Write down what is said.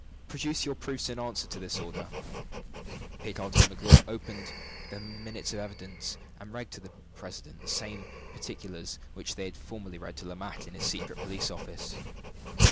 "Produce your proofs in answer to this order." Picard and Magloire opened their minutes of evidence, and read to the president the same particulars which they had formerly read to Lomaque in the secret police office.